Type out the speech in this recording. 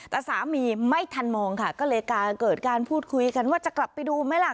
แต่สามีไม่ทันมองค่ะก็เลยเกิดการพูดคุยกันว่าจะกลับไปดูไหมล่ะ